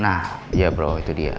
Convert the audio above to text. nah ya bro itu dia